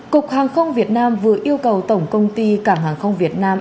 cục hàng không việt nam vừa yêu cầu tổng công ty cảng hàng không việt nam